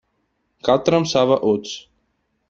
Katram sava uts.